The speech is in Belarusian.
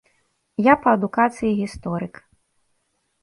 Я па адукацыі гісторык.